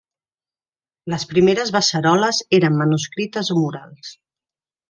Les primeres beceroles eren manuscrites o murals.